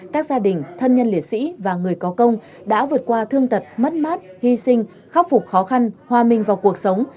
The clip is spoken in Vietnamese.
các gia đình thân nhân liệt sĩ và người có công đã vượt qua thương tật mất mát hy sinh khắc phục khó khăn hòa minh vào cuộc sống